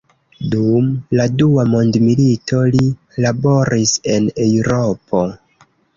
Dum la dua mondmilito li laboris en Eŭropo.